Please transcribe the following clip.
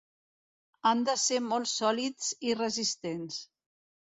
Han de ser molt sòlids i resistents.